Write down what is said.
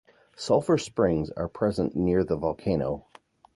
Sulfur springs are present near the volcano.